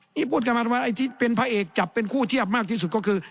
นี่พูดกันมาว่าไอ้ที่เป็นพระเอกจับเป็นคู่เทียบมากที่สุดก็คือ